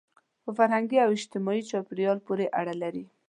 په فرهنګي او اجتماعي چاپېریال پورې اړه لري.